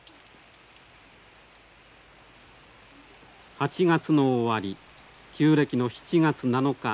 ８月の終わり旧暦の７月７日。